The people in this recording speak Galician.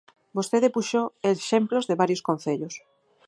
Vostede puxo exemplos de varios concellos.